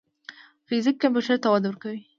فزیک کمپیوټر ته وده ورکړه.